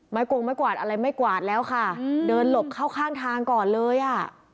โกงไม้กวาดอะไรไม่กวาดแล้วค่ะเดินหลบเข้าข้างทางก่อนเลยอ่ะ